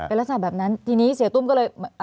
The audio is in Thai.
เป็นลักษณะแบบนั้นทีนี้เสียตุ้มก็เลย